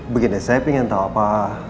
begini saya ingin tahu apa